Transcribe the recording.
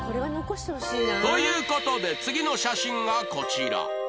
という事で次の写真がこちら！